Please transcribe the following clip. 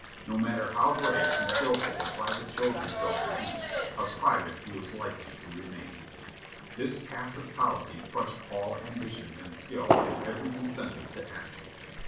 No matter how brave and skil ful a private showed himself to be, a private he was likely to re main. This passive policy crushed all ambition and skill and every incentive to action.